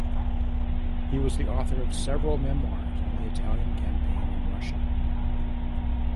He was the author of several memoirs on the Italian campaign in Russia.